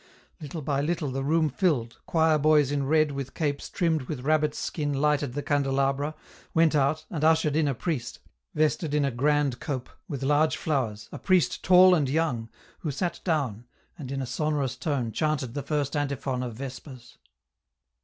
Little by little the room filled, choir boys in red with capes trimmed with rabbit's skin lighted the candelabra, went out, and ushered in a priest, vested in a grand cope, with large flowers, a priest tall and young, who sat down, and in a sonorous tone chanted the first antiphon of vespers.